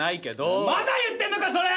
まだ言ってんのかそれ！